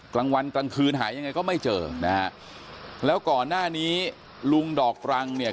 กลางวันกลางคืนหายังไงก็ไม่เจอนะฮะแล้วก่อนหน้านี้ลุงดอกรังเนี่ย